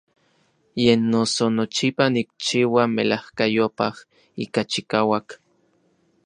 Yen noso nochipa nikchiua melajkayopaj ika chikauak.